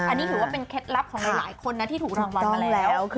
อันนี้ถือว่าเป็นเคล็ดลับของหลายคนนะที่ถูกรางวัลมาแล้ว